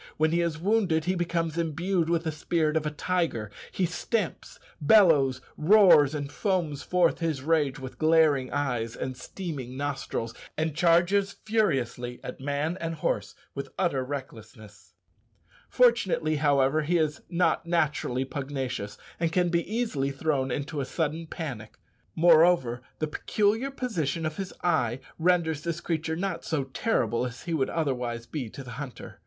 When he is wounded he becomes imbued with the spirit of a tiger: he stamps, bellows, roars, and foams forth his rage with glaring eyes and steaming nostrils, and charges furiously at man and horse with utter recklessness. Fortunately, however, he is not naturally pugnacious, and can be easily thrown into a sudden panic. Moreover, the peculiar position of his eye renders this creature not so terrible as he would otherwise be to the hunter.